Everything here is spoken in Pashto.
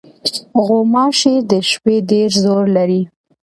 غوماشې د شپې ډېر زور لري.